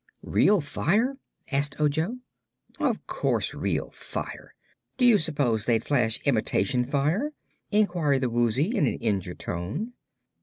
"Real fire?" asked Ojo. "Of course, real fire. Do you suppose they'd flash imitation fire?" inquired the Woozy, in an injured tone.